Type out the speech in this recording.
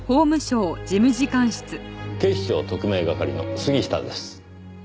警視庁特命係の杉下です。